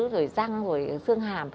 rồi răng rồi xương hàm